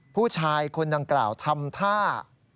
ผู้ชายคนดังกล่าวทำท่า